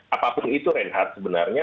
apapun itu reinhardt sebenarnya